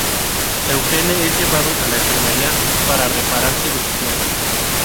Eugene es llevado a la enfermería para repararse de su pierna.